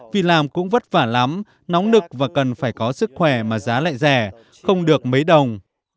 vì làm cũng vất vả lắm nóng nực và cần phải có sức khỏe mà giá lại rẻ không được mấy đồng